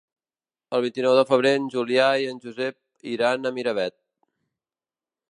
El vint-i-nou de febrer en Julià i en Josep iran a Miravet.